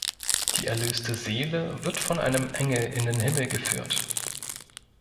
Die erlöste Seele wird von einem Engel in den Himmel geführt.